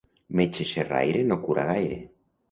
Metge xerraire no cura gaire.